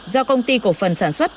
do công ty cổ phần sản xuất